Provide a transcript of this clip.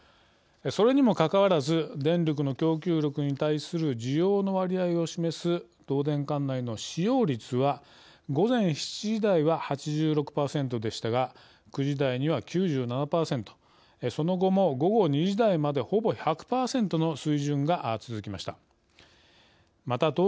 それにもかかわらず電力の供給力に対する需要の割合を示す東電管内の使用率は午前７時台は８６％でしたが９時台には９７％その後も午後２時台まで、ほぼ１００％の水準が続きました。